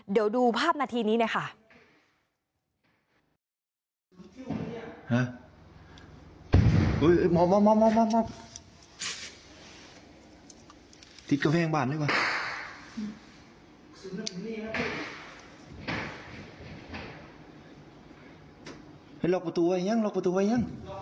เดี๋ยวดูภาพนาทีนี้นะคะ